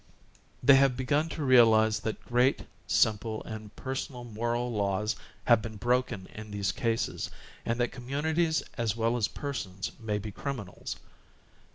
They have begun to realize that great, simple and per sonal moral laws have been broken in these cases and that communities as well as persons may be criminals.